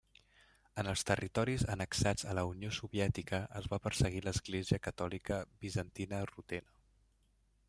En els territoris annexats a la Unió Soviètica es va perseguir l'Església catòlica Bizantina Rutena.